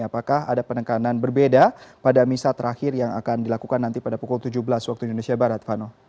apakah ada penekanan berbeda pada misa terakhir yang akan dilakukan nanti pada pukul tujuh belas waktu indonesia barat fano